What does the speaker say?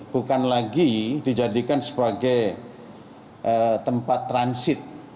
bukan lagi dijadikan sebagai tempat transit